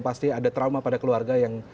pasti ada trauma pada keluarga yang